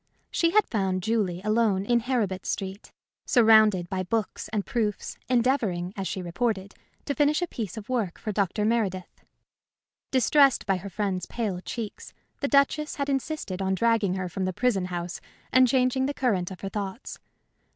She had found Julie alone in Heribert Street, surrounded by books and proofs, endeavoring, as she reported, to finish a piece of work for Dr. Meredith. Distressed by her friend's pale cheeks, the Duchess had insisted on dragging her from the prison house and changing the current of her thoughts.